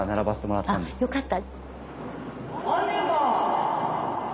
あっよかった。